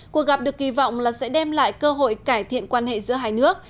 cuộc gặp được kỳ vọng là sẽ đem lại cơ hội cải thiện quan hệ giữa hai nước